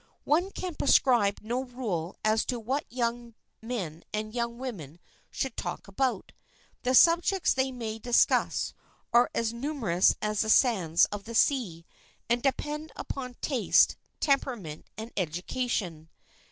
One can prescribe no rule as to what young men and young women should talk about. The subjects they may discuss are as numerous as the sands of the sea, and depend upon taste, temperament and education.